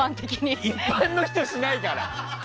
一般の人はしないから！